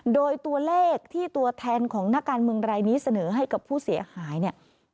โดยตัวเลขที่ตัวแทนของนักการเมืองรายนี้เสนอให้กับผู้เสียหายเนี่ย